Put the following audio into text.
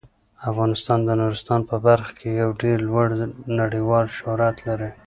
افغانستان د نورستان په برخه کې یو ډیر لوړ نړیوال شهرت لري.